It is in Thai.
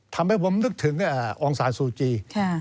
ทำให้ผมนึกถึงองศาลซูจี